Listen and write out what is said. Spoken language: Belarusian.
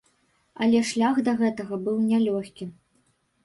Але шлях да гэтага быў нялёгкім.